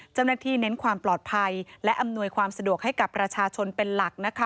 เจ้าหน้าที่เน้นความปลอดภัยและอำนวยความสะดวกให้กับประชาชนเป็นหลัก